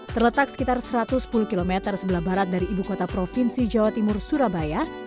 terletak sekitar satu ratus sepuluh km sebelah barat dari ibu kota provinsi jawa timur surabaya